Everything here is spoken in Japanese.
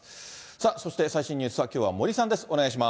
さあそして、最新ニュースはきょうは森さんです。